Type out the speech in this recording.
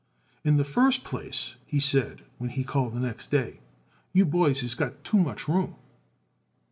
"In the first place," he said when he called the next day, "you boys has got too much room."